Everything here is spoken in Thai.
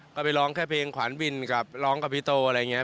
ก็ไปร้องแค่เพลงขวานวินกับร้องกับพี่โตอะไรอย่างนี้